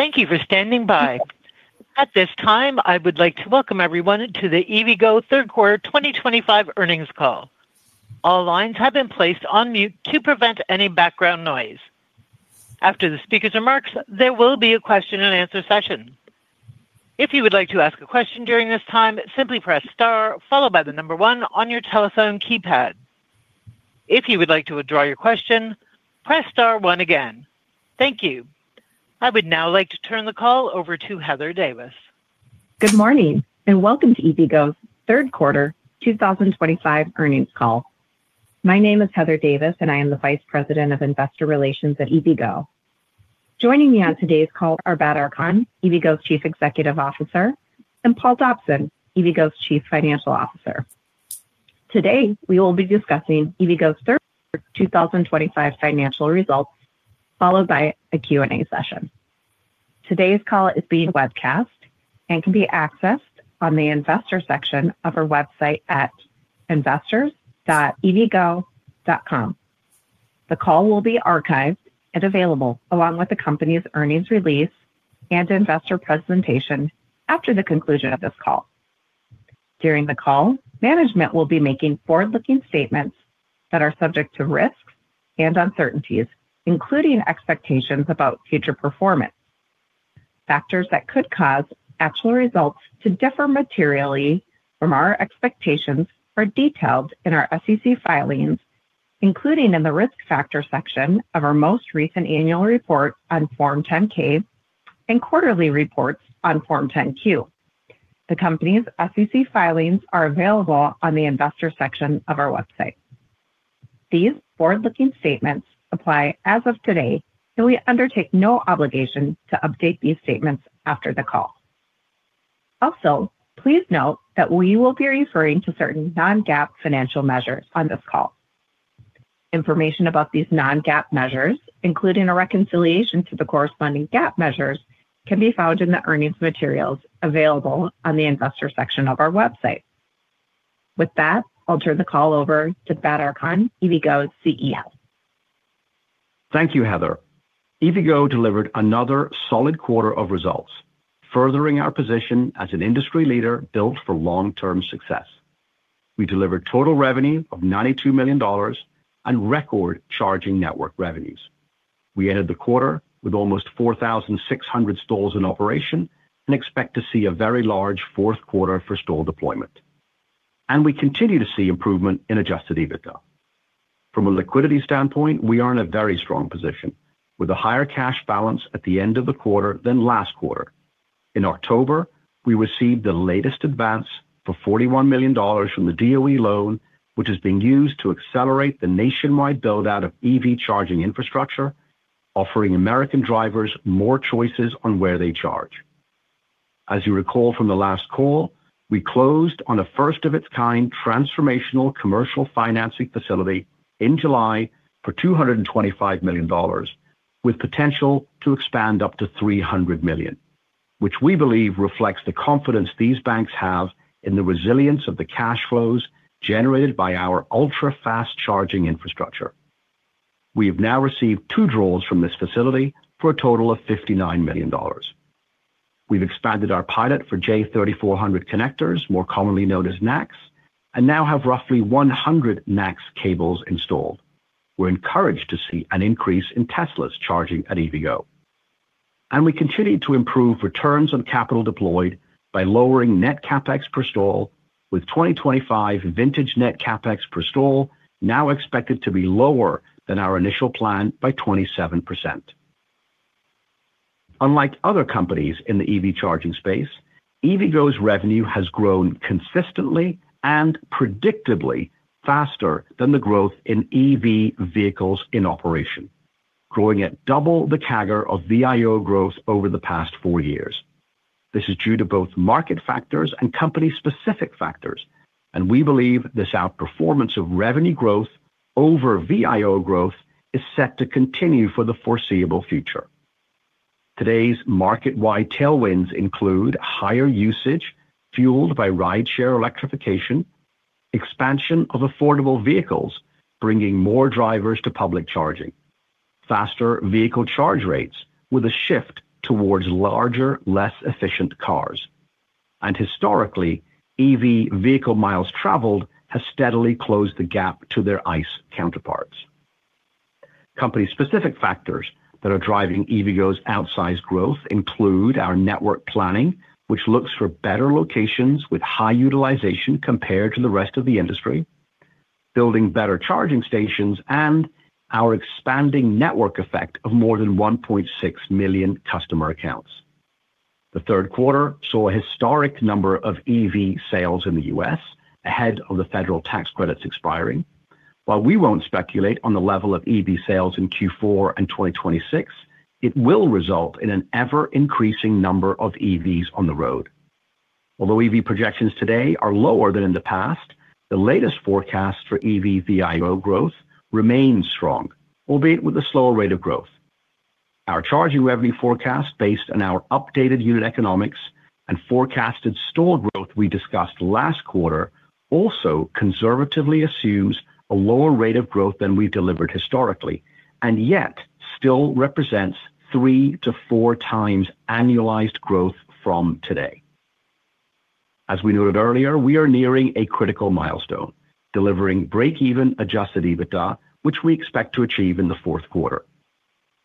Thank you for standing by. At this time, I would like to welcome everyone to the EVgo Third Quarter 2025 earnings call. All lines have been placed on mute to prevent any background noise. After the speaker's remarks, there will be a question and answer session. If you would like to ask a question during this time, simply press star followed by the number one on your telephone keypad. If you would like to withdraw your question, press star one again. Thank you. I would now like to turn the call over to Heather Davis. Good morning and welcome to EVgo's third quarter 2025 earnings call. My name is Heather Davis, and I am the Vice President of Investor Relations at EVgo. Joining me on today's call are Badar Khan, EVgo's Chief Executive Officer, and Paul Dobson, EVgo's Chief Financial Officer. Today, we will be discussing EVgo's third quarter 2025 financial results, followed by a Q&A session. Today's call is being webcast and can be accessed on the investor section of our website at investors.evgo.com. The call will be archived and available along with the company's earnings release and investor presentation after the conclusion of this call. During the call, management will be making forward-looking statements that are subject to risks and uncertainties, including expectations about future performance. Factors that could cause actual results to differ materially from our expectations are detailed in our SEC filings, including in the risk factor section of our most recent annual report on Form 10-K and quarterly reports on Form 10-Q. The company's SEC filings are available on the investor section of our website. These forward-looking statements apply as of today, and we undertake no obligation to update these statements after the call. Also, please note that we will be referring to certain non-GAAP financial measures on this call. Information about these non-GAAP measures, including a reconciliation to the corresponding GAAP measures, can be found in the earnings materials available on the investor section of our website. With that, I'll turn the call over to Badar Khan, EVgo's CEO. Thank you, Heather. EVgo delivered another solid quarter of results, furthering our position as an industry leader built for long-term success. We delivered total revenue of $92 million and record charging network revenues. We ended the quarter with almost 4,600 stalls in operation and expect to see a very large fourth quarter for stall deployment. We continue to see improvement in adjusted EBITDA. From a liquidity standpoint, we are in a very strong position, with a higher cash balance at the end of the quarter than last quarter. In October, we received the latest advance for $41 million from the DOE loan, which is being used to accelerate the nationwide build-out of EV charging infrastructure, offering American drivers more choices on where they charge. As you recall from the last call, we closed on a first-of-its-kind transformational commercial financing facility in July for $225 million, with potential to expand up to $300 million, which we believe reflects the confidence these banks have in the resilience of the cash flows generated by our ultra-fast charging infrastructure. We have now received two draws from this facility for a total of $59 million. We have expanded our pilot for J3400 connectors, more commonly known as NACS, and now have roughly 100 NACS cables installed. We are encouraged to see an increase in Tesla's charging at EVgo. We continue to improve returns on capital deployed by lowering net capex per stall, with 2025 vintage net CapEx per stall now expected to be lower than our initial plan by 27%. Unlike other companies in the EV charging space, EVgo's revenue has grown consistently and predictably faster than the growth in EV vehicles in operation, growing at double the CAGR of VIO growth over the past four years. This is due to both market factors and company-specific factors, and we believe this outperformance of revenue growth over VIO growth is set to continue for the foreseeable future. Today's market-wide tailwinds include higher usage fueled by rideshare electrification, expansion of affordable vehicles bringing more drivers to public charging, faster vehicle charge rates with a shift towards larger, less efficient cars, and historically, EV vehicle miles traveled have steadily closed the gap to their ICE counterparts. Company-specific factors that are driving EVgo's outsized growth include our network planning, which looks for better locations with high utilization compared to the rest of the industry, building better charging stations, and our expanding network effect of more than 1.6 million customer accounts. The third quarter saw a historic number of EV sales in the U.S. ahead of the federal tax credits expiring. While we won't speculate on the level of EV sales in Q4 and 2026, it will result in an ever-increasing number of EVs on the road. Although EV projections today are lower than in the past, the latest forecast for EV VIO growth remains strong, albeit with a slower rate of growth. Our charging revenue forecast, based on our updated unit economics and forecasted stall growth we discussed last quarter, also conservatively assumes a lower rate of growth than we've delivered historically, and yet still represents three to four times annualized growth from today. As we noted earlier, we are nearing a critical milestone, delivering break-even adjusted EBITDA, which we expect to achieve in the fourth quarter.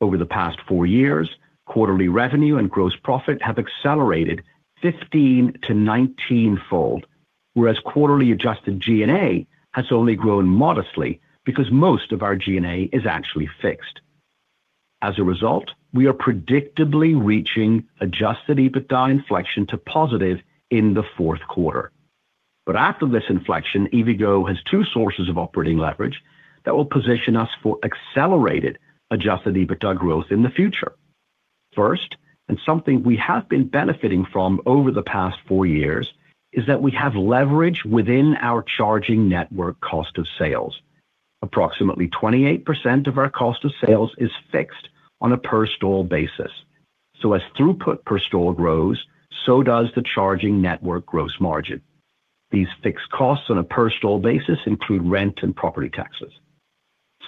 Over the past four years, quarterly revenue and gross profit have accelerated 15 fold-19 fold, whereas quarterly adjusted G&A has only grown modestly because most of our G&A is actually fixed. As a result, we are predictably reaching adjusted EBITDA inflection to positive in the fourth quarter. After this inflection, EVgo has two sources of operating leverage that will position us for accelerated adjusted EBITDA growth in the future. First, and something we have been benefiting from over the past four years, is that we have leverage within our charging network cost of sales. Approximately 28% of our cost of sales is fixed on a per-stall basis. So as throughput per stall grows, so does the charging network gross margin. These fixed costs on a per-stall basis include rent and property taxes.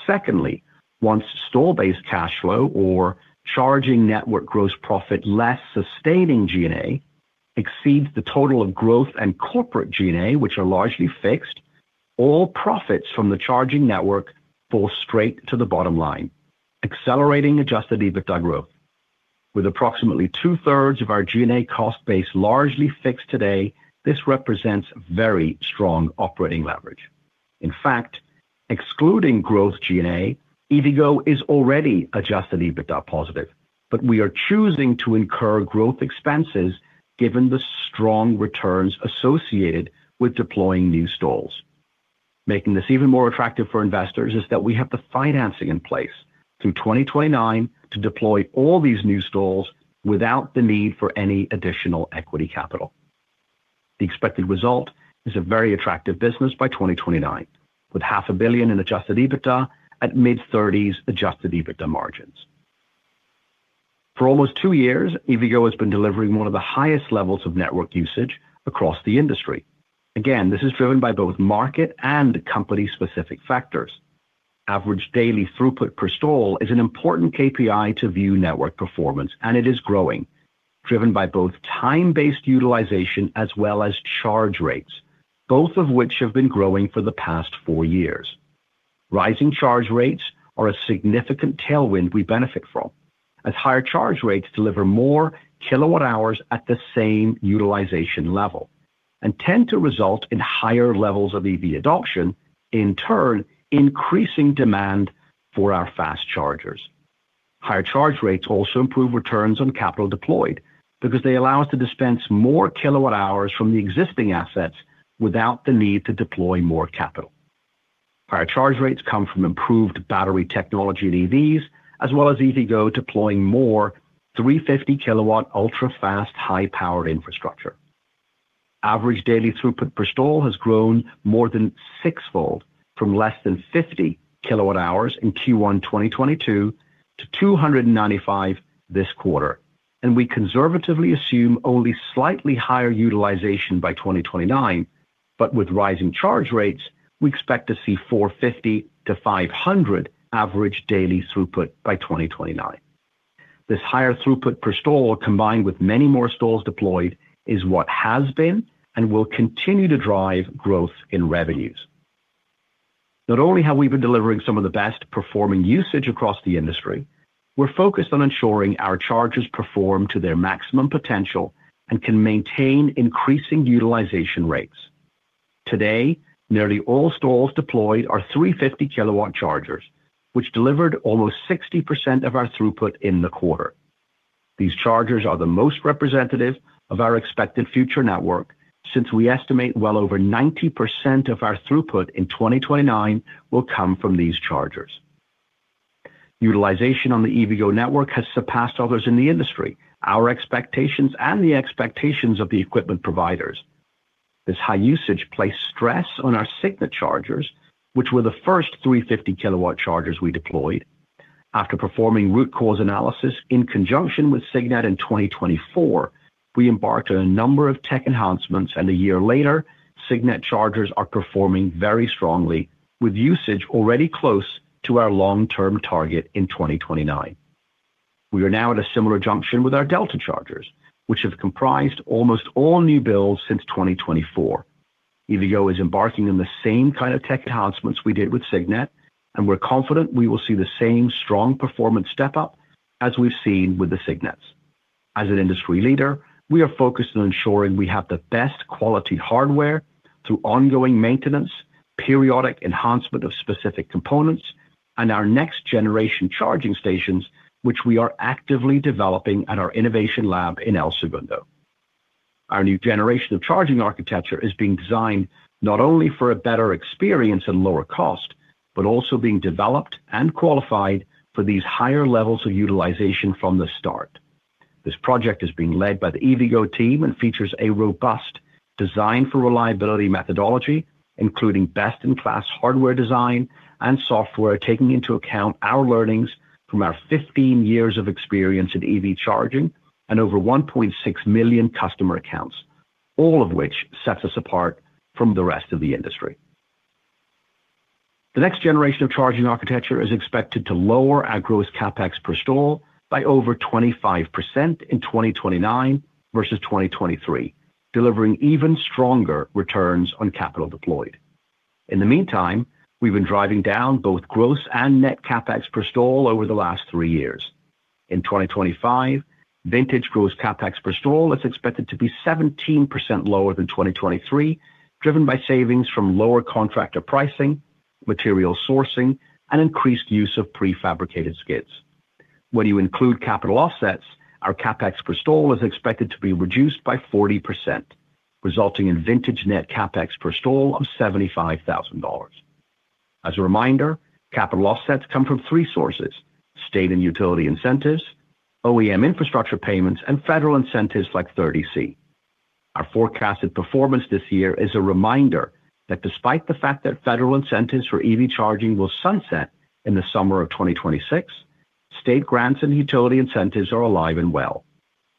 Secondly, once stall-based cash flow or charging network gross profit less sustaining G&A exceeds the total of growth and corporate G&A, which are largely fixed, all profits from the charging network fall straight to the bottom line, accelerating adjusted EBITDA growth. With approximately two-thirds of our G&A cost base largely fixed today, this represents very strong operating leverage. In fact, excluding growth G&A, EVgo is already adjusted EBITDA positive, but we are choosing to incur growth expenses given the strong returns associated with deploying new stalls. Making this even more attractive for investors is that we have the financing in place through 2029 to deploy all these new stalls without the need for any additional equity capital. The expected result is a very attractive business by 2029, with $0.5 billion in adjusted EBITDA at mid-30% adjusted EBITDA margins. For almost two years, EVgo has been delivering one of the highest levels of network usage across the industry. Again, this is driven by both market and company-specific factors. Average daily throughput per stall is an important KPI to view network performance, and it is growing, driven by both time-based utilization as well as charge rates, both of which have been growing for the past four years. Rising charge rates are a significant tailwind we benefit from, as higher charge rates deliver more kWh at the same utilization level and tend to result in higher levels of EV adoption, in turn increasing demand for our fast chargers. Higher charge rates also improve returns on capital deployed because they allow us to dispense more kWh from the existing assets without the need to deploy more capital. Higher charge rates come from improved battery technology in EVs, as well as EVgo deploying more 350 kW ultra-fast high-powered infrastructure. Average daily throughput per stall has grown more than six-fold from less than 50 kWh in Q1 2022 to 295 this quarter, and we conservatively assume only slightly higher utilization by 2029, but with rising charge rates, we expect to see 450-500 average daily throughput by 2029. This higher throughput per stall, combined with many more stalls deployed, is what has been and will continue to drive growth in revenues. Not only have we been delivering some of the best performing usage across the industry, we're focused on ensuring our chargers perform to their maximum potential and can maintain increasing utilization rates. Today, nearly all stalls deployed are 350 kW chargers, which delivered almost 60% of our throughput in the quarter. These chargers are the most representative of our expected future network since we estimate well over 90% of our throughput in 2029 will come from these chargers. Utilization on the EVgo network has surpassed others in the industry, our expectations, and the expectations of the equipment providers. This high usage placed stress on our Signet chargers, which were the first 350 kW chargers we deployed. After performing root cause analysis in conjunction with Signet in 2024, we embarked on a number of tech enhancements, and a year later, Signet chargers are performing very strongly, with usage already close to our long-term target in 2029. We are now at a similar junction with our Delta chargers, which have comprised almost all new builds since 2024. EVgo is embarking on the same kind of tech enhancements we did with Signet, and we're confident we will see the same strong performance step-up as we've seen with the Signets. As an industry leader, we are focused on ensuring we have the best quality hardware through ongoing maintenance, periodic enhancement of specific components, and our next-generation charging stations, which we are actively developing at our innovation lab in El Segundo. Our new generation of charging architecture is being designed not only for a better experience and lower cost, but also being developed and qualified for these higher levels of utilization from the start. This project is being led by the EVgo team and features a robust design-for-reliability methodology, including best-in-class hardware design and software taking into account our learnings from our 15 years of experience in EV charging and over 1.6 million customer accounts, all of which sets us apart from the rest of the industry. The next generation of charging architecture is expected to lower our gross capex per stall by over 25% in 2029 versus 2023, delivering even stronger returns on capital deployed. In the meantime, we've been driving down both gross and net capex per stall over the last three years. In 2025, vintage gross capex per stall is expected to be 17% lower than 2023, driven by savings from lower contractor pricing, material sourcing, and increased use of prefabricated skids. When you include capital offsets, our capex per stall is expected to be reduced by 40%, resulting in vintage net capex per stall of $75,000. As a reminder, capital offsets come from three sources: state and utility incentives, OEM infrastructure payments, and federal incentives like 30C. Our forecasted performance this year is a reminder that despite the fact that federal incentives for EV charging will sunset in the summer of 2026, state grants and utility incentives are alive and well.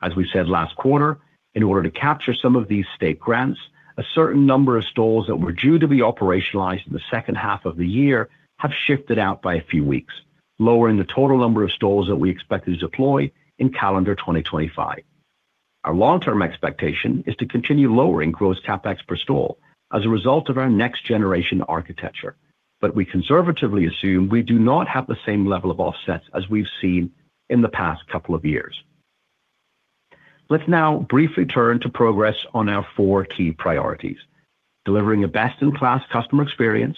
As we said last quarter, in order to capture some of these state grants, a certain number of stalls that were due to be operationalized in the second half of the year have shifted out by a few weeks, lowering the total number of stalls that we expect to deploy in calendar 2025. Our long-term expectation is to continue lowering gross capex per stall as a result of our next-generation architecture, but we conservatively assume we do not have the same level of offsets as we've seen in the past couple of years. Let's now briefly turn to progress on our four key priorities: delivering a best-in-class customer experience,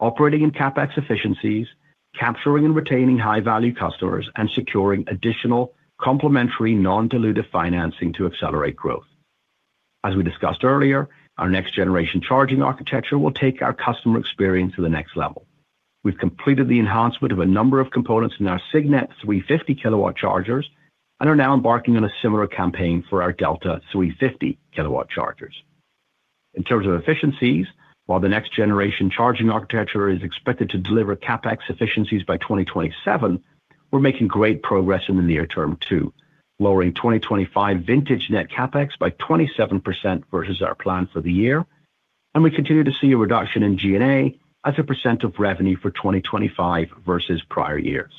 operating in capex efficiencies, capturing and retaining high-value customers, and securing additional complementary non-dilutive financing to accelerate growth. As we discussed earlier, our next-generation charging architecture will take our customer experience to the next level. We've completed the enhancement of a number of components in our Signet 350 kW chargers and are now embarking on a similar campaign for our Delta 350 kW chargers. In terms of efficiencies, while the next-generation charging architecture is expected to deliver capex efficiencies by 2027, we're making great progress in the near term too, lowering 2025 vintage net capex by 27% versus our plan for the year, and we continue to see a reduction in G&A as a percent of revenue for 2025 versus prior years.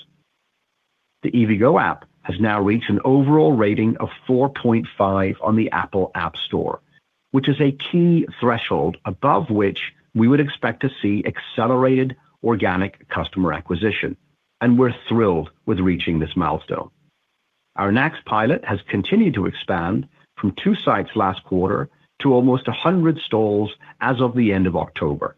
The EVgo app has now reached an overall rating of 4.5 on the Apple App Store, which is a key threshold above which we would expect to see accelerated organic customer acquisition, and we're thrilled with reaching this milestone. Our NACS pilot has continued to expand from two sites last quarter to almost 100 stalls as of the end of October.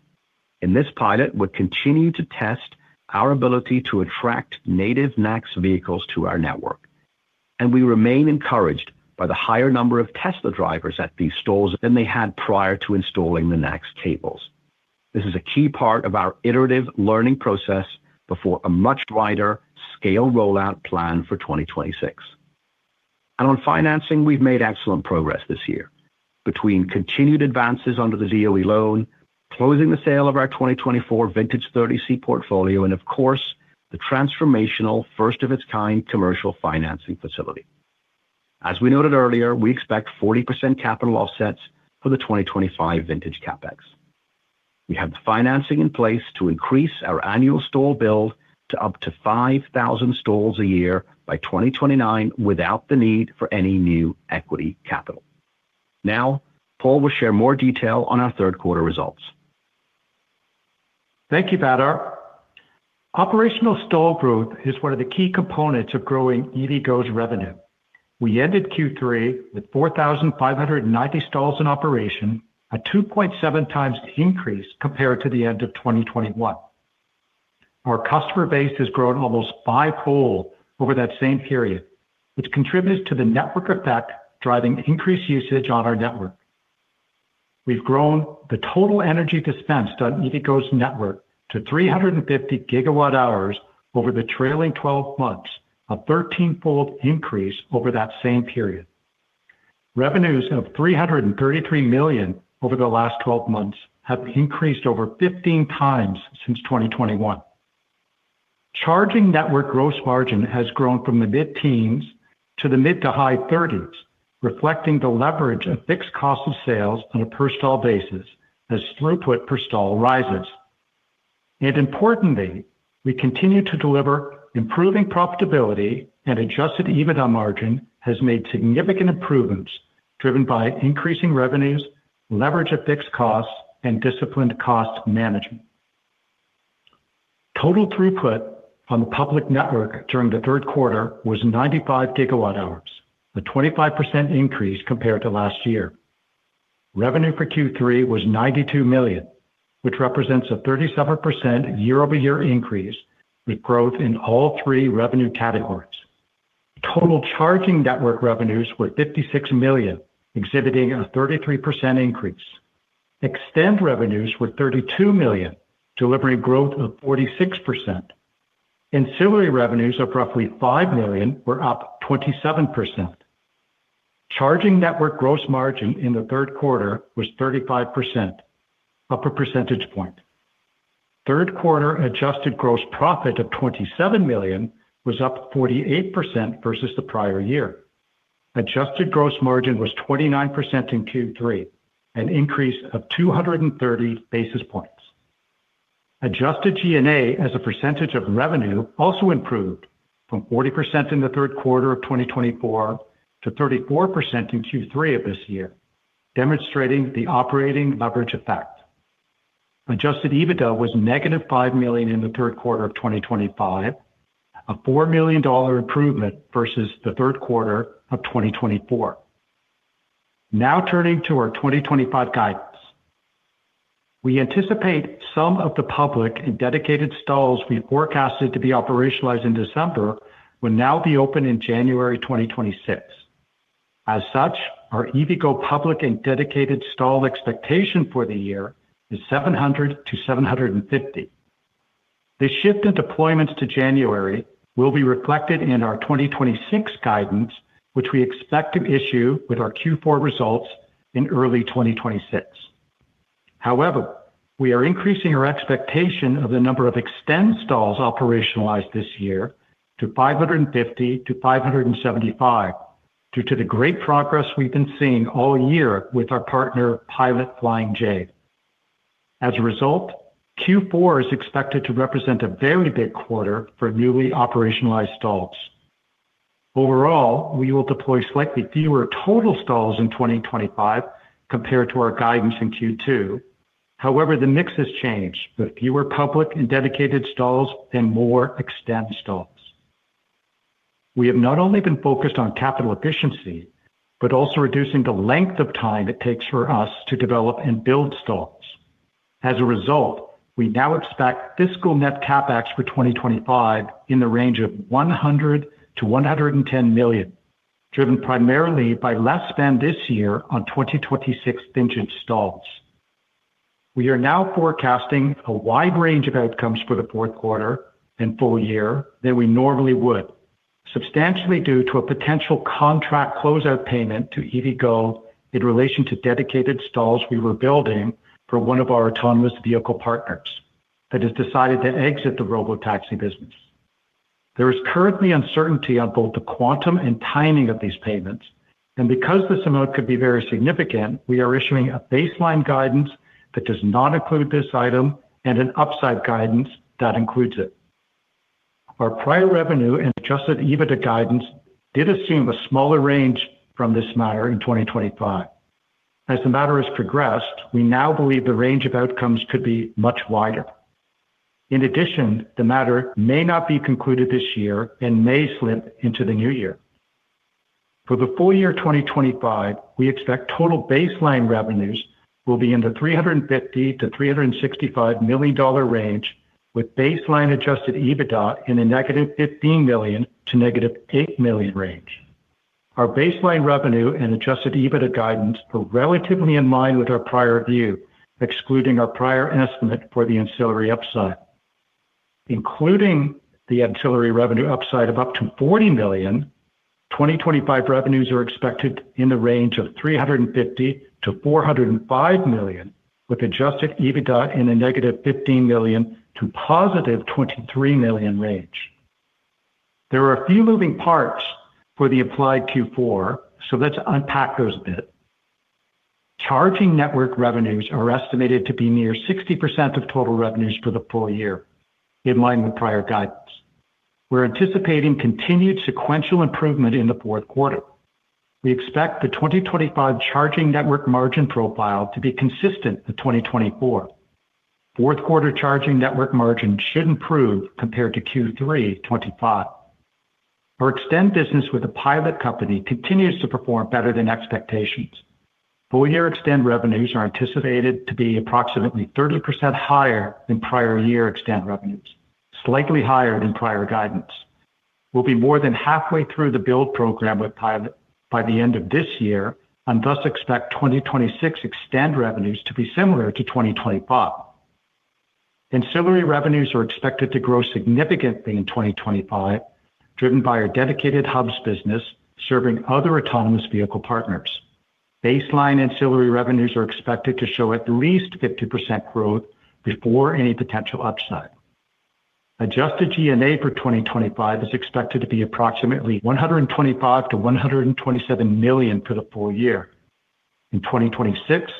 In this pilot, we're continuing to test our ability to attract native NACS vehicles to our network, and we remain encouraged by the higher number of Tesla drivers at these stalls than they had prior to installing the NACS cables. This is a key part of our iterative learning process before a much wider scale rollout plan for 2026. On financing, we've made excellent progress this year. Between continued advances under the DOE loan, closing the sale of our 2024 vintage 30C portfolio, and of course, the transformational first-of-its-kind commercial financing facility. As we noted earlier, we expect 40% capital offsets for the 2025 vintage capex. We have the financing in place to increase our annual stall build to up to 5,000 stalls a year by 2029 without the need for any new equity capital. Now, Paul will share more detail on our third quarter results. Thank you, Badar. Operational stall growth is one of the key components of growing EVgo's revenue. We ended Q3 with 4,590 stalls in operation, a 2.7 times increase compared to the end of 2021. Our customer base has grown almost fivefold over that same period, which contributes to the network effect driving increased usage on our network. We've grown the total energy dispensed on EVgo's network to 350 GWh over the trailing 12 months, a 13-fold increase over that same period. Revenues of $333 million over the last 12 months have increased over 15 times since 2021. Charging network gross margin has grown from the mid-teens to the mid-to-high 30s, reflecting the leverage of fixed cost of sales on a per-stall basis as throughput per stall rises. Importantly, we continue to deliver improving profitability, and adjusted EBITDA margin has made significant improvements driven by increasing revenues, leverage of fixed costs, and disciplined cost management. Total throughput on the public network during the third quarter was 95 GWh, a 25% increase compared to last year. Revenue for Q3 was $92 million, which represents a 37% year-over-year increase with growth in all three revenue categories. Total charging network revenues were $56 million, exhibiting a 33% increase. Extend revenues were $32 million, delivering growth of 46%. Insular revenues of roughly $5 million were up 27%. Charging network gross margin in the third quarter was 35%, up a percentage point. Third quarter adjusted gross profit of $27 million was up 48% versus the prior year. Adjusted gross margin was 29% in Q3, an increase of 230 basis points. Adjusted G&A as a percentage of revenue also improved from 40% in the third quarter of 2024 to 34% in Q3 of this year, demonstrating the operating leverage effect. Adjusted EBITDA was negative $5 million in the third quarter of 2025, a $4 million improvement versus the third quarter of 2024. Now turning to our 2025 guidance. We anticipate some of the public and dedicated stalls we forecasted to be operationalized in December will now be open in January 2026. As such, our EVgo public and dedicated stall expectation for the year is 700-750. This shift in deployments to January will be reflected in our 2026 guidance, which we expect to issue with our Q4 results in early 2026. However, we are increasing our expectation of the number of Extend stalls operationalized this year to 550-575 due to the great progress we've been seeing all year with our partner Pilot Flying J. As a result, Q4 is expected to represent a very big quarter for newly operationalized stalls. Overall, we will deploy slightly fewer total stalls in 2025 compared to our guidance in Q2. However, the mix has changed with fewer public and dedicated stalls and more Extend stalls. We have not only been focused on capital efficiency, but also reducing the length of time it takes for us to develop and build stalls. As a result, we now expect fiscal net capex for 2025 in the range of $100 million-$110 million, driven primarily by less spend this year on 2026 vintage stalls. We are now forecasting a wide range of outcomes for the fourth quarter and full year than we normally would, substantially due to a potential contract closeout payment to EVgo in relation to dedicated stalls we were building for one of our autonomous vehicle partners that has decided to exit the robotaxi business. There is currently uncertainty on both the quantum and timing of these payments, and because this amount could be very significant, we are issuing a baseline guidance that does not include this item and an upside guidance that includes it. Our prior revenue and adjusted EBITDA guidance did assume a smaller range from this matter in 2025. As the matter has progressed, we now believe the range of outcomes could be much wider. In addition, the matter may not be concluded this year and may slip into the new year. For the full year 2025, we expect total baseline revenues will be in the $350 million-$365 million range, with baseline adjusted EBITDA in the negative $15 million to negative $8 million range. Our baseline revenue and adjusted EBITDA guidance are relatively in line with our prior view, excluding our prior estimate for the ancillary upside. Including the ancillary revenue upside of up to $40 million, 2025 revenues are expected in the range of $350 million-$405 million, with adjusted EBITDA in the negative $15 million to positive $23 million range. There are a few moving parts for the applied Q4, so let's unpack those a bit. Charging network revenues are estimated to be near 60% of total revenues for the full year, in line with prior guidance. We're anticipating continued sequential improvement in the fourth quarter. We expect the 2025 charging network margin profile to be consistent with 2024. Fourth quarter charging network margin should improve compared to Q3 2025. Our Extend business with Pilot continues to perform better than expectations. Full year Extend revenues are anticipated to be approximately 30% higher than prior year Extend revenues, slightly higher than prior guidance. We will be more than halfway through the build program with Pilot by the end of this year and thus expect 2026 Extend revenues to be similar to 2025. Ancillary revenues are expected to grow significantly in 2025, driven by our dedicated hubs business serving other autonomous vehicle partners. Baseline ancillary revenues are expected to show at least 50% growth before any potential upside. Adjusted G&A for 2025 is expected to be approximately $125 million-$127 million for the full year. In 2026,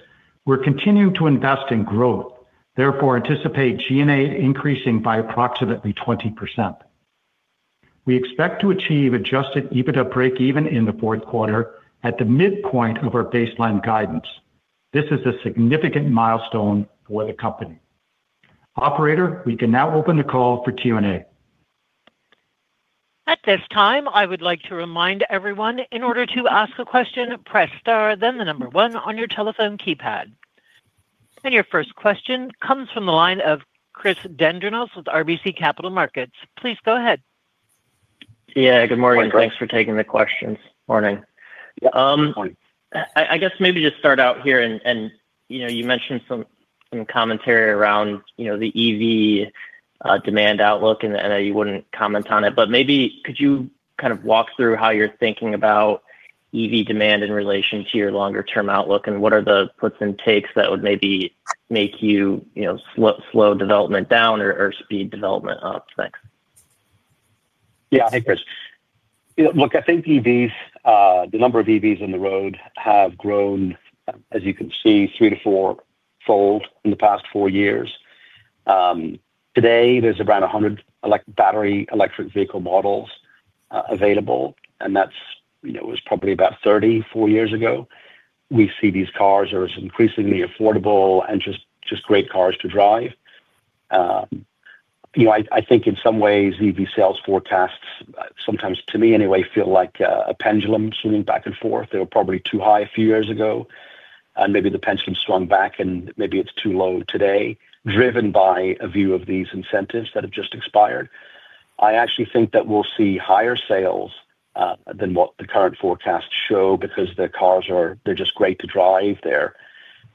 we're continuing to invest in growth, therefore anticipate G&A increasing by approximately 20%. We expect to achieve adjusted EBITDA break-even in the fourth quarter at the midpoint of our baseline guidance. This is a significant milestone for the company. Operator, we can now open the call for Q&A. At this time, I would like to remind everyone, in order to ask a question, press star, then the number one on your telephone keypad. Your first question comes from the line of Chris Dendrinos with RBC Capital Markets. Please go ahead. Yeah, good morning. Thanks for taking the questions. Morning. Good morning. I guess maybe just start out here and you mentioned some commentary around the EV demand outlook and that you would not comment on it, but maybe could you kind of walk through how you are thinking about EV demand in relation to your longer-term outlook and what are the puts and takes that would maybe make you slow development down or speed development up? Thanks. Yeah, hey, Chris. Look, I think the number of EVs on the road have grown, as you can see, three to four-fold in the past four years. Today, there are around 100 battery electric vehicle models available, and that was probably about 30, four years ago. We see these cars as increasingly affordable and just great cars to drive. I think in some ways, EV sales forecasts, sometimes to me anyway, feel like a pendulum swinging back and forth. They were probably too high a few years ago, and maybe the pendulum swung back and maybe it's too low today, driven by a view of these incentives that have just expired. I actually think that we'll see higher sales than what the current forecasts show because the cars are just great to drive.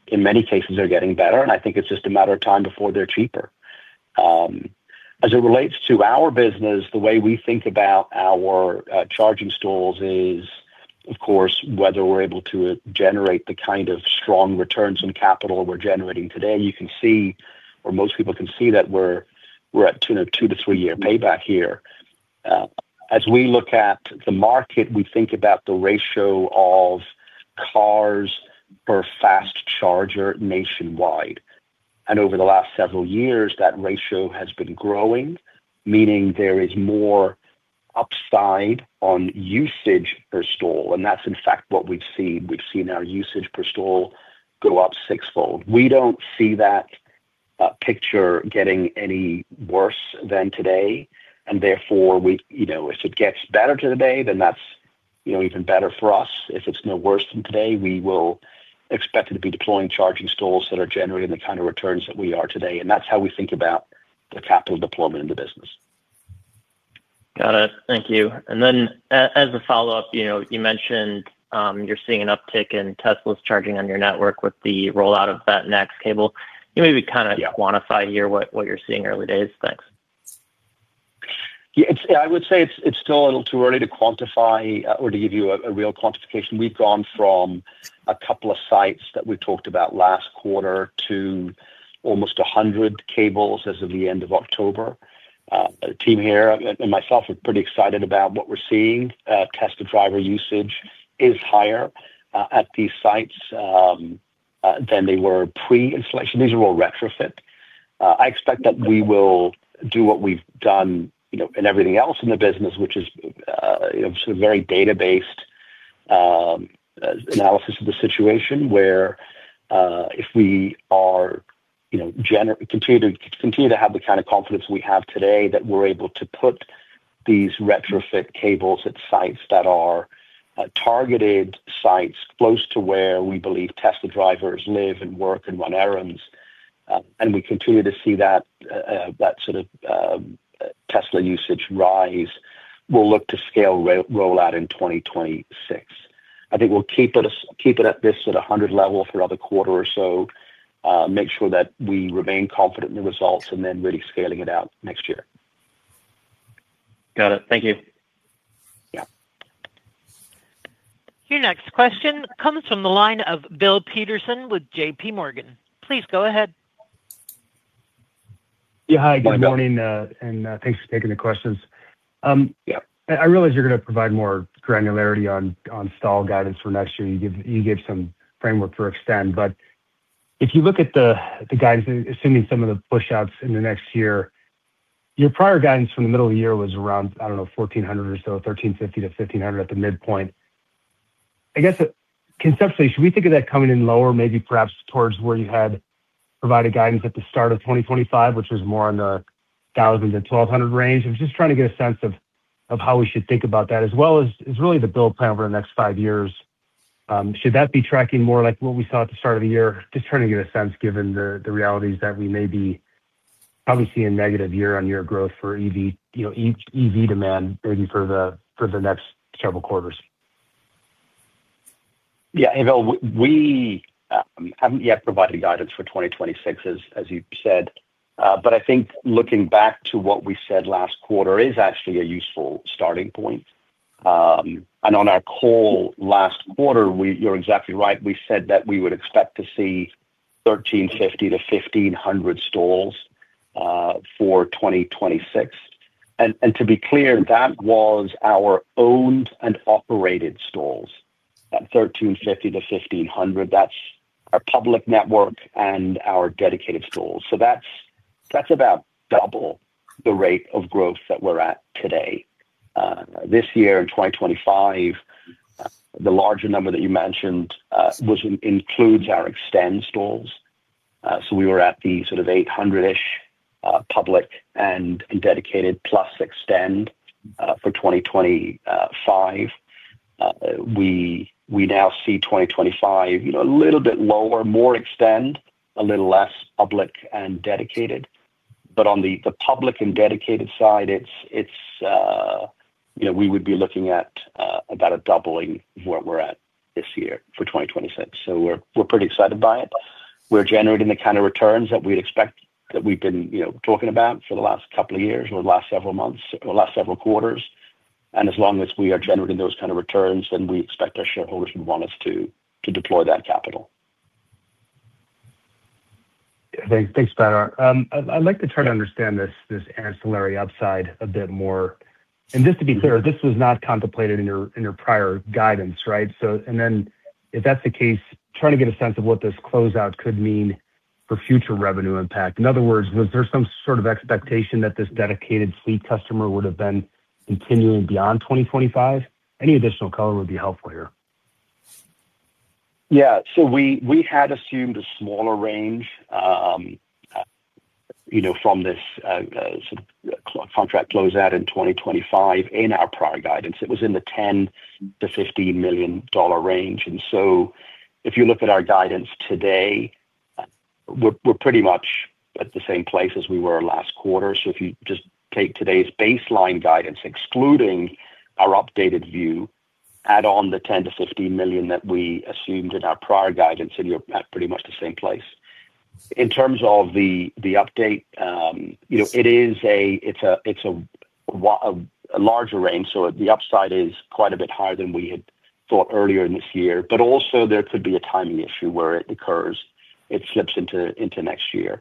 In many cases, they're getting better, and I think it's just a matter of time before they're cheaper. As it relates to our business, the way we think about our charging stalls is, of course, whether we're able to generate the kind of strong returns on capital we're generating today. You can see, or most people can see that we're at a two to three-year payback here. As we look at the market, we think about the ratio of cars per fast charger nationwide. Over the last several years, that ratio has been growing, meaning there is more upside on usage per stall. That is, in fact, what we have seen. We have seen our usage per stall go up sixfold. We do not see that picture getting any worse than today. Therefore, if it gets better today, then that is even better for us. If it is no worse than today, we will expect to be deploying charging stalls that are generating the kind of returns that we are today. That is how we think about the capital deployment in the business. Got it. Thank you. As a follow-up, you mentioned you are seeing an uptick in Tesla's charging on your network with the rollout of that next cable. Can you maybe kind of quantify here what you are seeing early days? Thanks. Yeah, I would say it's still a little too early to quantify or to give you a real quantification. We've gone from a couple of sites that we've talked about last quarter to almost 100 cables as of the end of October. The team here and myself are pretty excited about what we're seeing. Tested driver usage is higher at these sites than they were pre-installation. These are all retrofit. I expect that we will do what we've done in everything else in the business, which is sort of very data-based analysis of the situation where if we continue to have the kind of confidence we have today that we're able to put these retrofit cables at sites that are targeted sites close to where we believe Tesla drivers live and work and run errands. We continue to see that sort of Tesla usage rise. We'll look to scale rollout in 2026. I think we'll keep it at this sort of 100 level for another quarter or so, make sure that we remain confident in the results, and then really scaling it out next year. Got it. Thank you. Yeah. Your next question comes from the line of Bill Peterson with JPMorgan. Please go ahead. Yeah, hi. Good morning. And thanks for taking the questions. I realize you're going to provide more granularity on stall guidance for next year. You gave some framework for Extend. But if you look at the guidance, assuming some of the push-outs in the next year, your prior guidance from the middle of the year was around, I don't know, 1,400 or so, 1,350-1,500 at the midpoint. I guess conceptually, should we think of that coming in lower, maybe perhaps towards where you had provided guidance at the start of 2025, which was more in the 1,000-1,200 range? I'm just trying to get a sense of how we should think about that, as well as really the build plan over the next five years. Should that be tracking more like what we saw at the start of the year? Just trying to get a sense given the realities that we may be probably seeing negative year-on-year growth for EV demand, maybe for the next several quarters. Yeah, we haven't yet provided guidance for 2026, as you said. I think looking back to what we said last quarter is actually a useful starting point. On our call last quarter, you're exactly right. We said that we would expect to see 1,350-1,500 stalls for 2026. To be clear, that was our owned and operated stalls. That 1,350-1,500 stalls, that's our public network and our dedicated stalls. That is about double the rate of growth that we are at today. This year in 2025, the larger number that you mentioned includes our Extend stalls. We were at the sort of 800-ish public and dedicated plus Extend for 2025. We now see 2025 a little bit lower, more Extend, a little less public and dedicated. On the public and dedicated side, we would be looking at about a doubling of where we are at this year for 2026. We are pretty excited by it. We're generating the kind of returns that we'd expect that we've been talking about for the last couple of years or the last several months or last several quarters. As long as we are generating those kind of returns, we expect our shareholders would want us to deploy that capital. Thanks, Badar. I'd like to try to understand this ancillary upside a bit more. Just to be clear, this was not contemplated in your prior guidance, right? If that's the case, trying to get a sense of what this closeout could mean for future revenue impact. In other words, was there some sort of expectation that this dedicated fleet customer would have been continuing beyond 2025? Any additional color would be helpful here. Yeah. We had assumed a smaller range from this contract closeout in 2025 in our prior guidance. It was in the $10 million-$15 million range. If you look at our guidance today, we're pretty much at the same place as we were last quarter. If you just take today's baseline guidance, excluding our updated view, add on the $10 million-$15 million that we assumed in our prior guidance, you're at pretty much the same place. In terms of the update, it is a larger range. The upside is quite a bit higher than we had thought earlier in this year. There could be a timing issue where it occurs. It slips into next year.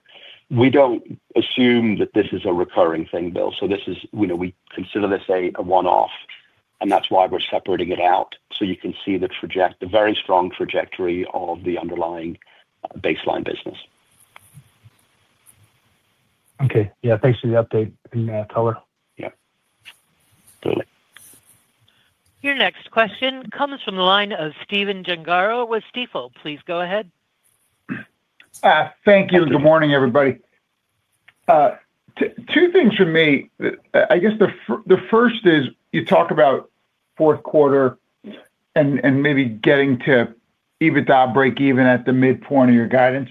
We don't assume that this is a recurring thing, Bill. We consider this a one-off, and that's why we're separating it out so you can see the very strong trajectory of the underlying baseline business. Okay. Yeah. Thanks for the update, Color. Yeah. Clearly. Your next question comes from the line of Stephen Gengaro with Stifel. Please go ahead. Thank you. Good morning, everybody. Two things for me. I guess the first is you talk about fourth quarter and maybe getting to even that break-even at the midpoint of your guidance.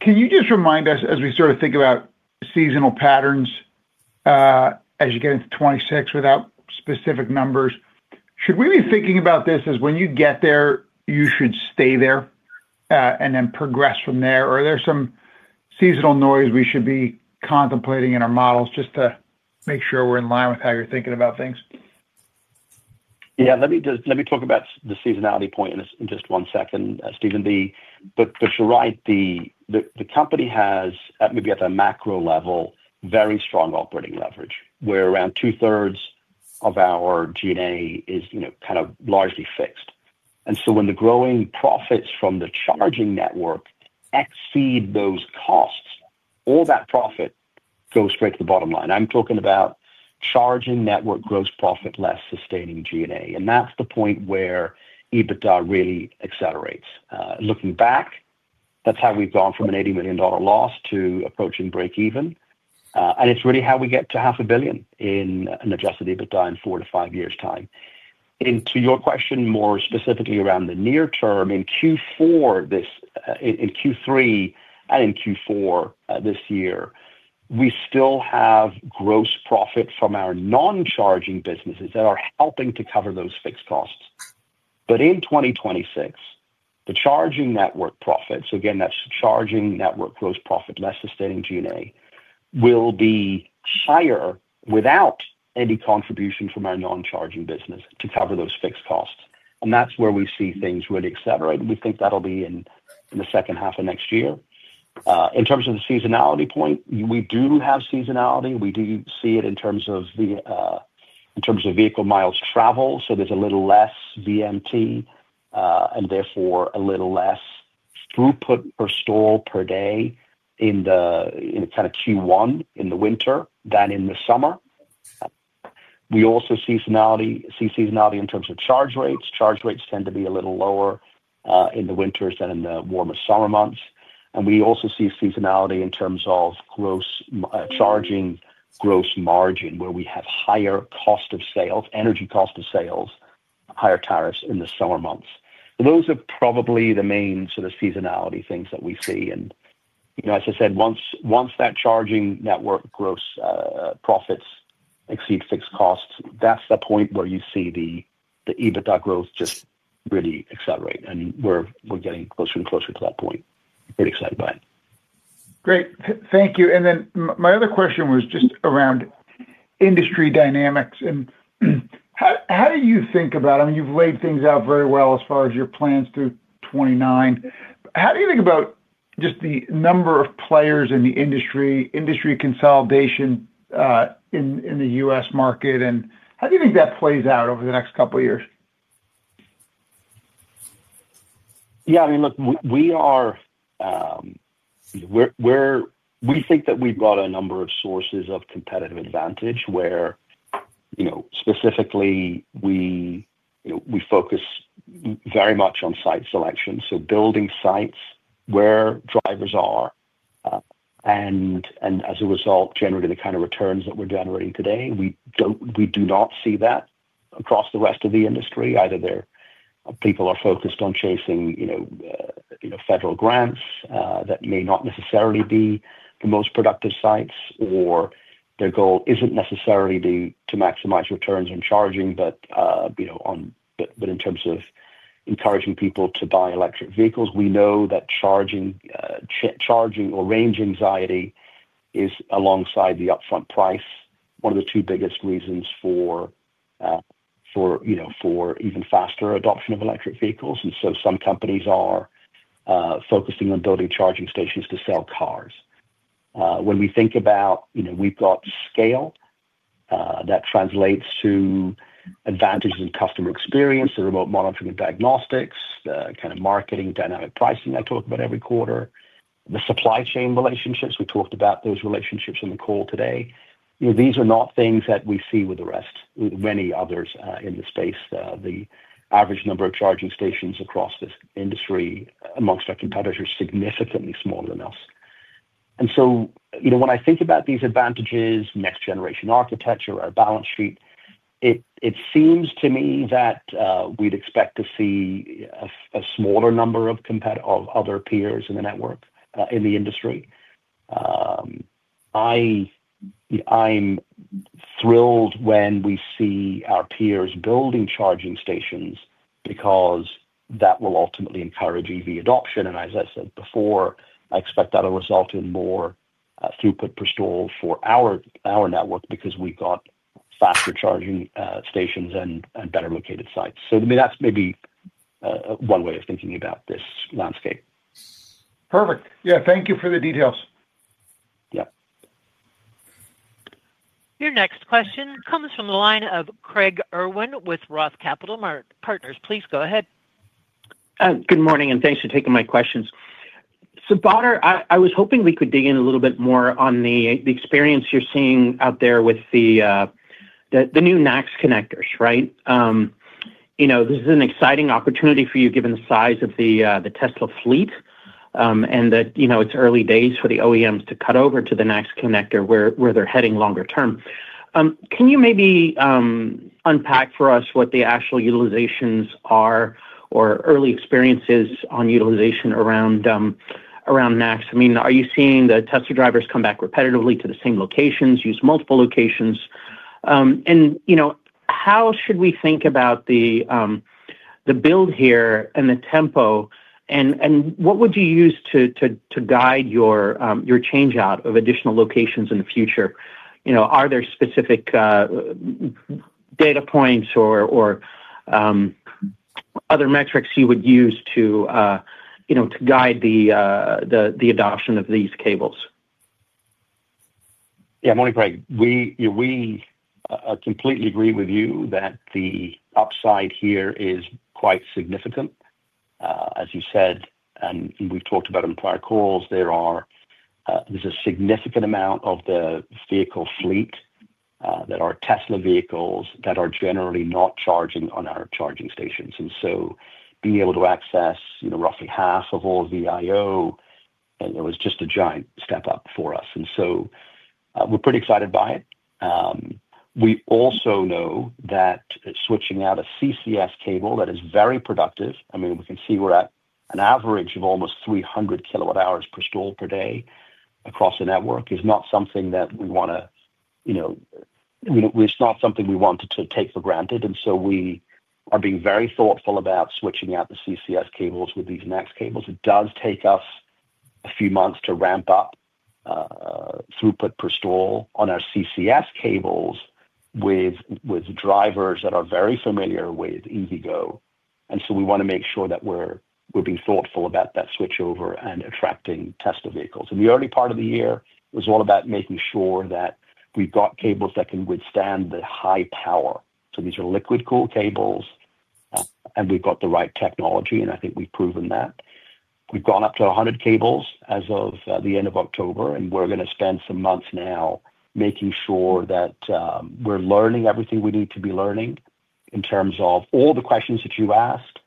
Can you just remind us, as we sort of think about seasonal patterns as you get into 2026 without specific numbers, should we be thinking about this as when you get there, you should stay there and then progress from there? Or are there some seasonal noise we should be contemplating in our models just to make sure we're in line with how you're thinking about things? Yeah. Let me talk about the seasonality point in just one second, Steven. You are right. The company has, maybe at a macro level, very strong operating leverage, where around two-thirds of our G&A is kind of largely fixed. When the growing profits from the charging network exceed those costs, all that profit goes straight to the bottom line. I'm talking about charging network gross profit less sustaining G&A. That is the point where EBITDA really accelerates. Looking back, that is how we've gone from an $80 million loss to approaching break-even. It is really how we get to $0.5 billion in adjusted EBITDA in four to five years' time. To your question, more specifically around the near term, in Q3 and in Q4 this year, we still have gross profit from our non-charging businesses that are helping to cover those fixed costs. In 2026, the charging network profits, again, that's charging network gross profit less sustaining G&A, will be higher without any contribution from our non-charging business to cover those fixed costs. That's where we see things really accelerate. We think that'll be in the second half of next year. In terms of the seasonality point, we do have seasonality. We do see it in terms of vehicle miles traveled. There's a little less VMT and therefore a little less throughput per stall per day in kind of Q1 in the winter than in the summer. We also see seasonality in terms of charge rates. Charge rates tend to be a little lower in the winters than in the warmer summer months. We also see seasonality in terms of charging gross margin, where we have higher cost of sales, energy cost of sales, higher tariffs in the summer months. Those are probably the main sort of seasonality things that we see. As I said, once that charging network gross profits exceed fixed costs, that's the point where you see the EBITDA growth just really accelerate. We're getting closer and closer to that point. Pretty excited by it. Great. Thank you. My other question was just around industry dynamics. How do you think about it? I mean, you've laid things out very well as far as your plans through 2029. How do you think about just the number of players in the industry, industry consolidation in the U.S. market? How do you think that plays out over the next couple of years? Yeah. I mean, look, we think that we've got a number of sources of competitive advantage where specifically we focus very much on site selection. Building sites where drivers are, and as a result, generating the kind of returns that we're generating today. We do not see that across the rest of the industry. Either people are focused on chasing federal grants that may not necessarily be the most productive sites, or their goal is not necessarily to maximize returns on charging, but in terms of encouraging people to buy electric vehicles. We know that charging or range anxiety is alongside the upfront price, one of the two biggest reasons for even faster adoption of electric vehicles. Some companies are focusing on building charging stations to sell cars. When we think about we've got scale that translates to advantages in customer experience, the remote monitoring and diagnostics, the kind of marketing, dynamic pricing I talk about every quarter, the supply chain relationships. We talked about those relationships in the call today. These are not things that we see with many others in the space. The average number of charging stations across this industry amongst our competitors is significantly smaller than us. When I think about these advantages, next-generation architecture, our balance sheet, it seems to me that we'd expect to see a smaller number of other peers in the network in the industry. I'm thrilled when we see our peers building charging stations because that will ultimately encourage EV adoption. As I said before, I expect that will result in more throughput per stall for our network because we've got faster charging stations and better located sites. That's maybe one way of thinking about this landscape. Perfect. Yeah. Thank you for the details. Yeah. Your next question comes from the line of Craig Irwin with Roth Capital Partners. Please go ahead. Good morning, and thanks for taking my questions. So, Badar, I was hoping we could dig in a little bit more on the experience you're seeing out there with the new NACS connectors, right? This is an exciting opportunity for you given the size of the Tesla fleet and that it's early days for the OEMs to cut over to the NACS connector where they're heading longer term. Can you maybe unpack for us what the actual utilizations are or early experiences on utilization around NACS? I mean, are you seeing the Tesla drivers come back repetitively to the same locations, use multiple locations? How should we think about the build here and the tempo? What would you use to guide your change-out of additional locations in the future? Are there specific data points or other metrics you would use to guide the adoption of these cables? Yeah. Morning, Craig. We completely agree with you that the upside here is quite significant. As you said, and we've talked about it in prior calls, there's a significant amount of the vehicle fleet that are Tesla vehicles that are generally not charging on our charging stations. Being able to access roughly half of all VIO, it was just a giant step up for us. We are pretty excited by it. We also know that switching out a CCS cable that is very productive, I mean, we can see we are at an average of almost 300 kWh per stall per day across the network, is not something that we want to—it is not something we want to take for granted. We are being very thoughtful about switching out the CCS cables with these NACS cables. It does take us a few months to ramp up throughput per stall on our CCS cables with drivers that are very familiar with EVgo. We want to make sure that we are being thoughtful about that switchover and attracting Tesla vehicles. In the early part of the year, it was all about making sure that we have got cables that can withstand the high power. These are liquid-cooled cables, and we have got the right technology, and I think we have proven that. We've gone up to 100 cables as of the end of October, and we're going to spend some months now making sure that we're learning everything we need to be learning in terms of all the questions that you asked.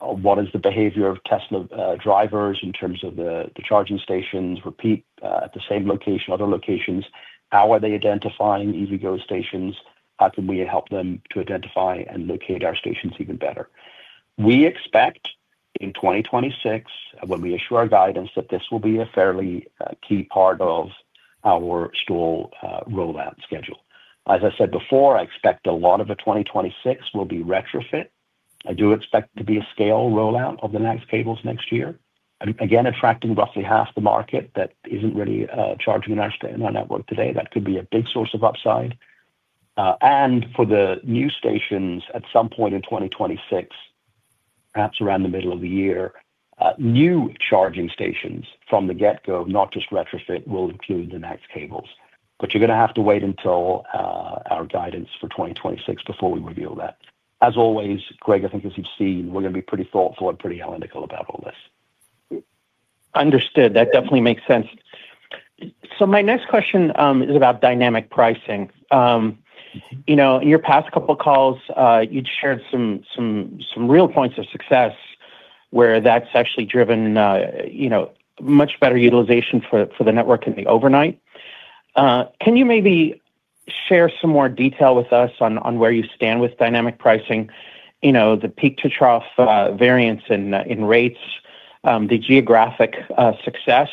What is the behavior of Tesla drivers in terms of the charging stations? Repeat at the same location, other locations. How are they identifying EVgo stations? How can we help them to identify and locate our stations even better? We expect in 2026, when we issue our guidance, that this will be a fairly key part of our stall rollout schedule. As I said before, I expect a lot of the 2026 will be retrofit. I do expect to be a scale rollout of the NACS cables next year. Again, attracting roughly half the market that isn't really charging in our network today. That could be a big source of upside. For the new stations at some point in 2026, perhaps around the middle of the year, new charging stations from the get-go, not just retrofit, will include the NACS cables. You are going to have to wait until our guidance for 2026 before we reveal that. As always, Craig, I think as you have seen, we are going to be pretty thoughtful and pretty analytical about all this. Understood. That definitely makes sense. My next question is about dynamic pricing. In your past couple of calls, you had shared some real points of success where that has actually driven much better utilization for the network in the overnight. Can you maybe share some more detail with us on where you stand with dynamic pricing, the peak-to-trough variance in rates, the geographic success?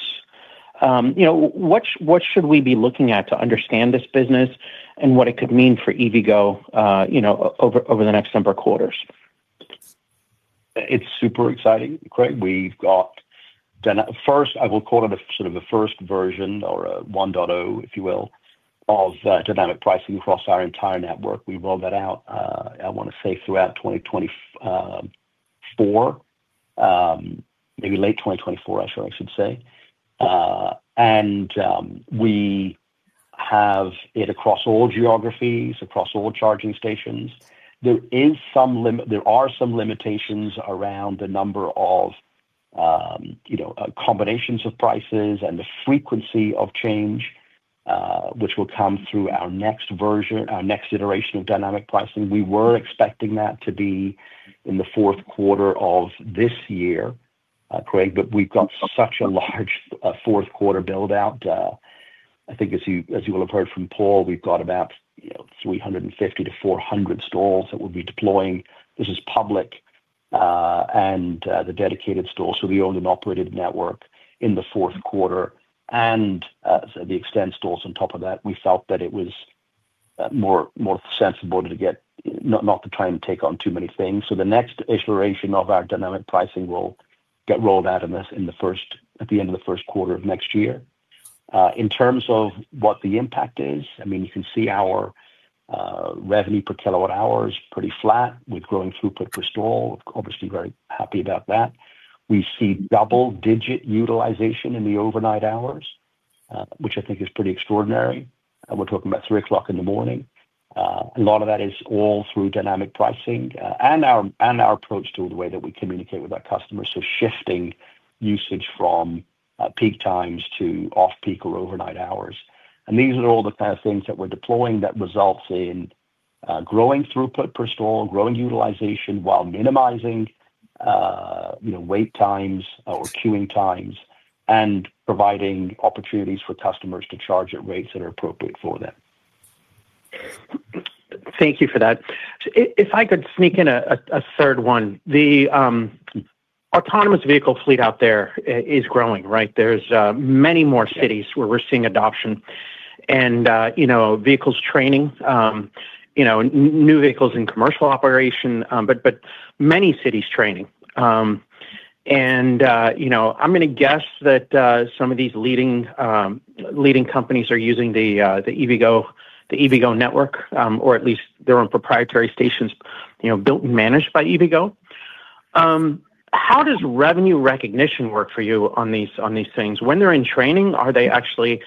What should we be looking at to understand this business and what it could mean for EVgo over the next number of quarters? It's super exciting, Craig. We've got first, I will call it sort of the first version or 1.0, if you will, of dynamic pricing across our entire network. We rolled that out, I want to say, throughout 2024, maybe late 2024, I should say. We have it across all geographies, across all charging stations. There are some limitations around the number of combinations of prices and the frequency of change, which will come through our next version, our next iteration of dynamic pricing. We were expecting that to be in the fourth quarter of this year, Craig, but we've got such a large fourth quarter build-out. I think as you will have heard from Paul, we've got about 350 stalls-400 stalls that we'll be deploying. This is public and the dedicated stalls. So the owned and operated network in the fourth quarter and the extended stalls on top of that. We felt that it was more sensible to get not to try and take on too many things. So the next iteration of our dynamic pricing will get rolled out in the first at the end of the first quarter of next year. In terms of what the impact is, I mean, you can see our revenue per kilowatt-hour is pretty flat with growing throughput per stall. Obviously, very happy about that. We see double-digit utilization in the overnight hours, which I think is pretty extraordinary. We're talking about 3:00 A.M. A lot of that is all through dynamic pricing and our approach to the way that we communicate with our customers. Shifting usage from peak times to off-peak or overnight hours. These are all the kind of things that we're deploying that result in growing throughput per stall, growing utilization while minimizing wait times or queuing times, and providing opportunities for customers to charge at rates that are appropriate for them. Thank you for that. If I could sneak in a third one. The autonomous vehicle fleet out there is growing, right? There are many more cities where we're seeing adoption and vehicles training, new vehicles in commercial operation, but many cities training. I'm going to guess that some of these leading companies are using the EVgo network, or at least their own proprietary stations built and managed by EVgo. How does revenue recognition work for you on these things? When they're in training, are they actually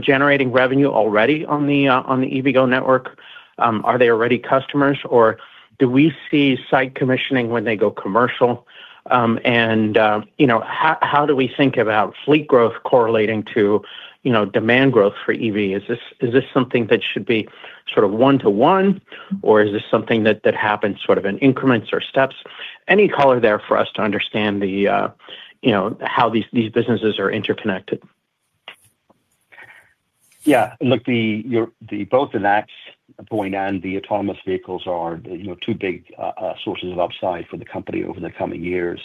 generating revenue already on the EVgo network? Are they already customers, or do we see site commissioning when they go commercial? How do we think about fleet growth correlating to demand growth for EV? Is this something that should be sort of one-to-one, or is this something that happens sort of in increments or steps? Any color there for us to understand how these businesses are interconnected? Yeah. Look, both the NACS point and the autonomous vehicles are two big sources of upside for the company over the coming years.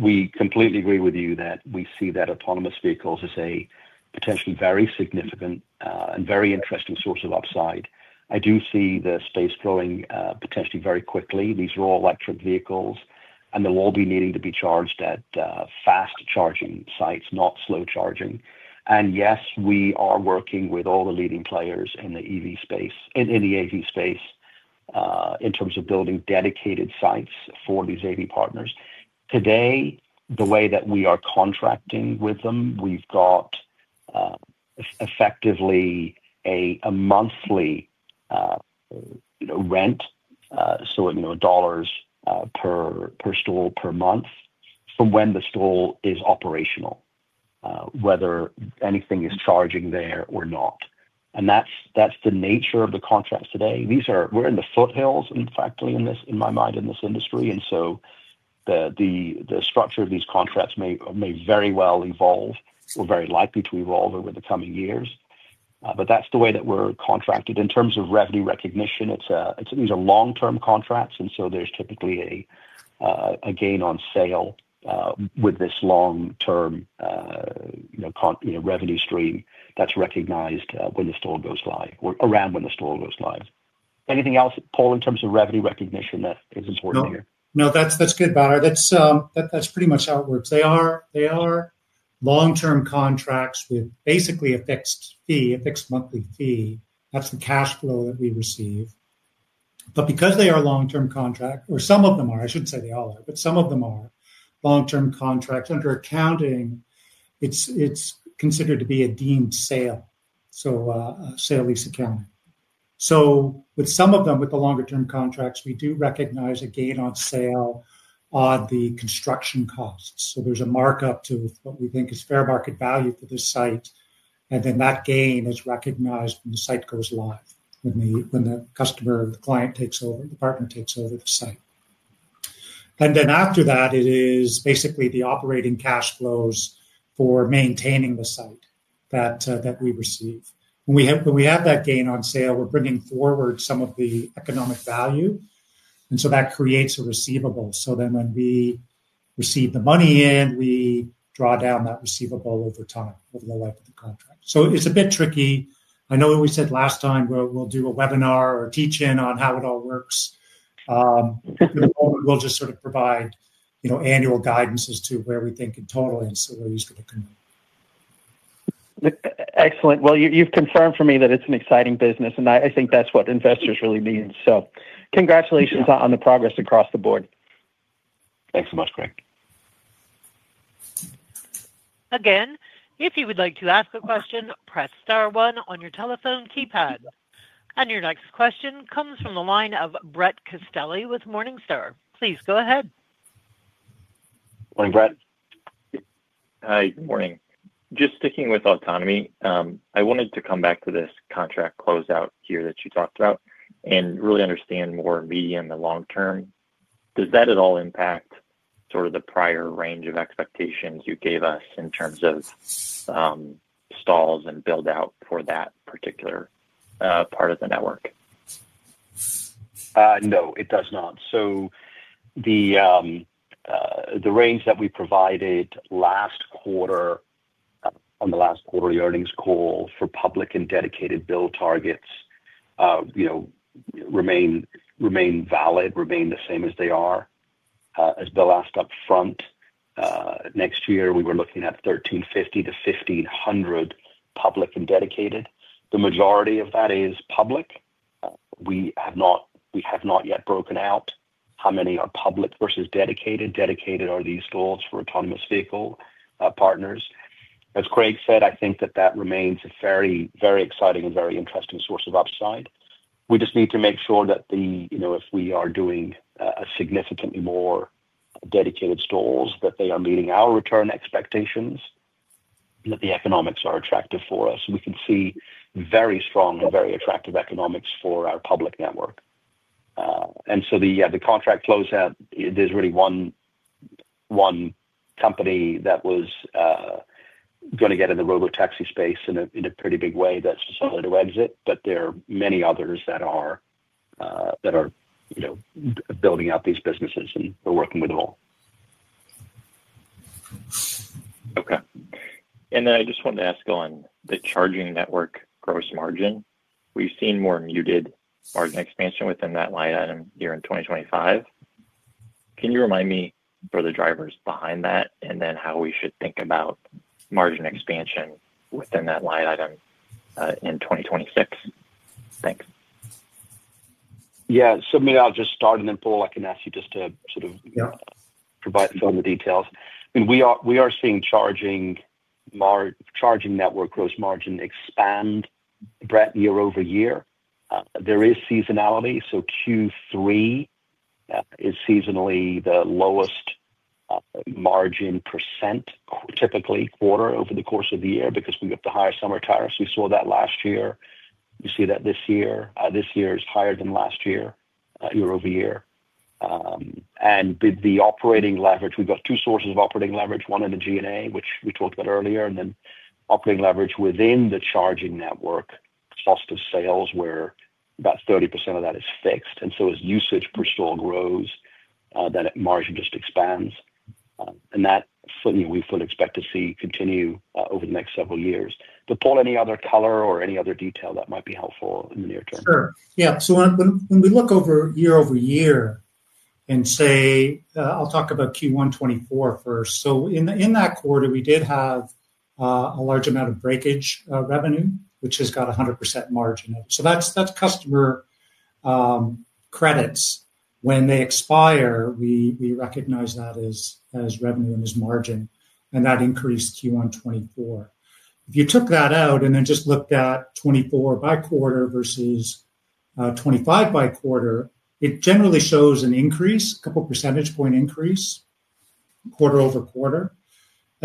We completely agree with you that we see that autonomous vehicles as a potentially very significant and very interesting source of upside. I do see the space growing potentially very quickly. These are all electric vehicles, and they will all be needing to be charged at fast charging sites, not slow charging. Yes, we are working with all the leading players in the EV space, in the AV space, in terms of building dedicated sites for these AV partners. Today, the way that we are contracting with them, we've got effectively a monthly rent, so dollars per stall per month from when the stall is operational, whether anything is charging there or not. That's the nature of the contracts today. We're in the foothills, in fact, in my mind, in this industry. The structure of these contracts may very well evolve or very likely to evolve over the coming years. That's the way that we're contracted. In terms of revenue recognition, these are long-term contracts, and so there's typically a gain on sale with this long-term revenue stream that's recognized when the stall goes live or around when the stall goes live. Anything else, Paul, in terms of revenue recognition that is important here? No. No, that's good, Badar. That's pretty much how it works. They are long-term contracts with basically a fixed fee, a fixed monthly fee. That's the cash flow that we receive. Because they are long-term contracts, or some of them are, I shouldn't say they all are, but some of them are long-term contracts under accounting, it's considered to be a deemed sale, so sale lease accounting. With some of them, with the longer-term contracts, we do recognize a gain on sale on the construction costs. There's a markup to what we think is fair market value for this site. That gain is recognized when the site goes live, when the customer, the client takes over, the partner takes over the site. After that, it is basically the operating cash flows for maintaining the site that we receive. When we have that gain on sale, we're bringing forward some of the economic value. That creates a receivable. When we receive the money in, we draw down that receivable over time, over the life of the contract. It's a bit tricky. I know what we said last time, we'll do a webinar or teach-in on how it all works. We'll just sort of provide annual guidances to where we think in total and where you should be committed. Excellent. You've confirmed for me that it's an exciting business, and I think that's what investors really need. Congratulations on the progress across the board. Thanks so much, Craig. If you would like to ask a question, press star one on your telephone keypad. Your next question comes from the line of Brett Castelli with Morningstar. Please go ahead. Morning, Brett. Hi. Good morning. Just sticking with autonomy, I wanted to come back to this contract closeout here that you talked about and really understand more medium and long term. Does that at all impact sort of the prior range of expectations you gave us in terms of stalls and build-out for that particular part of the network? No, it does not. The range that we provided last quarter on the last quarterly earnings call for public and dedicated build targets remain valid, remain the same as they are. As Bill asked upfront, next year, we were looking at 1,350-1,500 public and dedicated. The majority of that is public. We have not yet broken out how many are public versus dedicated. Dedicated are these stalls for autonomous vehicle partners. As Craig said, I think that that remains a very, very exciting and very interesting source of upside. We just need to make sure that if we are doing significantly more dedicated stalls, that they are meeting our return expectations and that the economics are attractive for us. We can see very strong and very attractive economics for our public network. The contract closeout, there is really one company that was going to get in the robotaxi space in a pretty big way that has decided to exit, but there are many others that are building out these businesses, and we are working with them all. Okay. I just wanted to ask on the charging network gross margin. We have seen more muted margin expansion within that line item here in 2025. Can you remind me for the drivers behind that and then how we should think about margin expansion within that line item in 2026? Thanks. Yeah. Maybe I'll just start and then Paul, I can ask you just to sort of provide some of the details. I mean, we are seeing charging network gross margin expand, Brett, year-over-year. There is seasonality. Q3 is seasonally the lowest margin percent, typically quarter over the course of the year because we have the higher summer tariffs. We saw that last year. We see that this year. This year is higher than last year year-over-year. The operating leverage, we've got two sources of operating leverage, one in the G&A, which we talked about earlier, and then operating leverage within the charging network, cost of sales where about 30% of that is fixed. As usage per stall grows, that margin just expands. That, we fully expect to see continue over the next several years. Paul, any other color or any other detail that might be helpful in the near term? Sure. Yeah. When we look over year-over-year and say, I'll talk about Q1 2024 first. In that quarter, we did have a large amount of breakage revenue, which has got 100% margin in it. That is customer credits. When they expire, we recognize that as revenue and as margin, and that increased Q1 2024. If you took that out and then just looked at 2024 by quarter versus 2025 by quarter, it generally shows an increase, a couple of percentage point increase, quarter-over-quarter.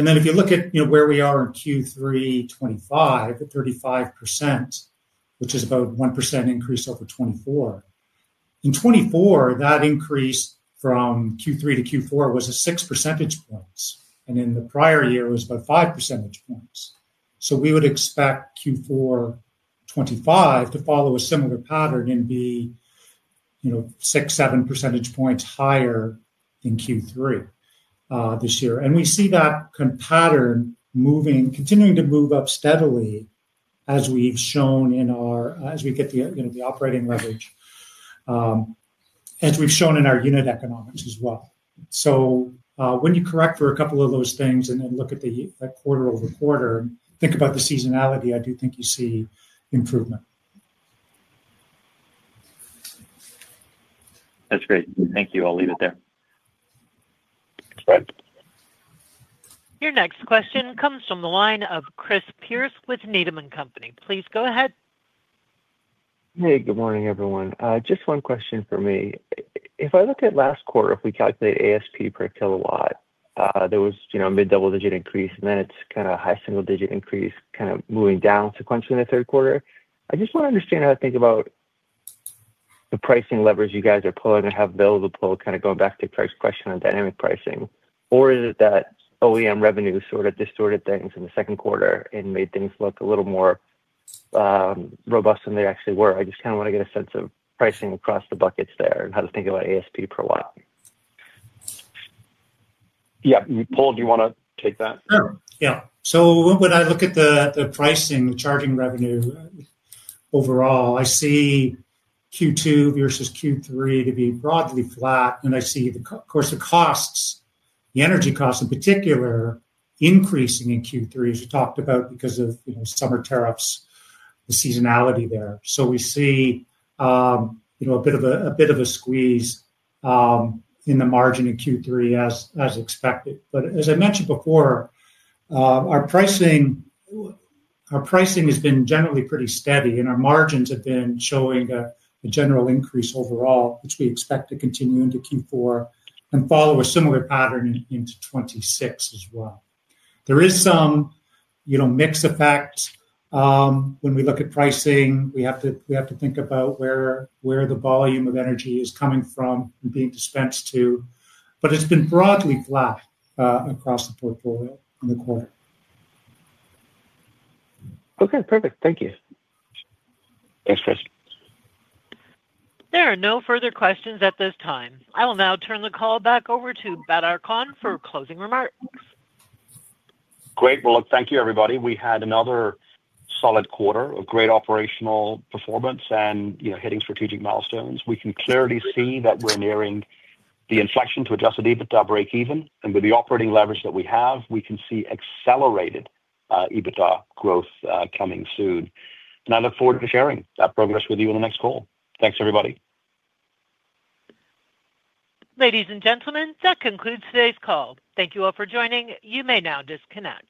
If you look at where we are in Q3 2025, at 35%, which is about a 1% increase over 2024. In 2024, that increase from Q3 to Q4 was a 6 percentage points. In the prior year, it was about 5 percentage points. We would expect Q4 2025 to follow a similar pattern and be six, seven percentage points higher than Q3 this year. We see that pattern continuing to move up steadily as we get the operating leverage, as we have shown in our unit economics as well. When you correct for a couple of those things and look at the quarter-over-quarter, think about the seasonality, I do think you see improvement. That's great. Thank you. I'll leave it there. That's right. Your next question comes from the line of Chris Pierce with Needham & Company. Please go ahead. Hey, good morning, everyone. Just one question for me. If I look at last quarter, if we calculate ASP per kW, there was a mid-double-digit increase, and then it is kind of a high single-digit increase, kind of moving down sequentially in the third quarter. I just want to understand how to think about the pricing levers you guys are pulling and have available to pull, kind of going back to Craig's question on dynamic pricing. Or is it that OEM revenue sort of distorted things in the second quarter and made things look a little more robust than they actually were? I just kind of want to get a sense of pricing across the buckets there and how to think about ASP per watt. Yeah. Paul, do you want to take that? Sure. Yeah. When I look at the pricing, the charging revenue overall, I see Q2 versus Q3 to be broadly flat. I see, of course, the costs, the energy costs in particular, increasing in Q3, as you talked about, because of summer tariffs, the seasonality there. We see a bit of a squeeze in the margin in Q3 as expected. As I mentioned before, our pricing has been generally pretty steady, and our margins have been showing a general increase overall, which we expect to continue into Q4 and follow a similar pattern into 2026 as well. There is some mixed effect. When we look at pricing, we have to think about where the volume of energy is coming from and being dispensed to. It has been broadly flat across the portfolio in the quarter. Okay. Perfect. Thank you. Thanks, Chris. There are no further questions at this time. I will now turn the call back over to Badar Khan for closing remarks. Great. Thank you, everybody. We had another solid quarter of great operational performance and hitting strategic milestones. We can clearly see that we're nearing the inflection to adjusted EBITDA breakeven. With the operating leverage that we have, we can see accelerated EBITDA growth coming soon. I look forward to sharing that progress with you in the next call. Thanks, everybody. Ladies and gentlemen, that concludes today's call. Thank you all for joining. You may now disconnect.